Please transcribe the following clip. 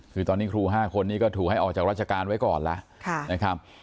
คือตอนนี้ครู๕คนนี้ก็ถูกให้ออกจากราชการไว้ก่อนแล้วนะครับ